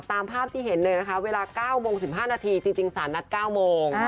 ตามภาพที่เห็นเลยนะคะเวลา๙โมง๑๕นาทีจริงสารนัด๙โมง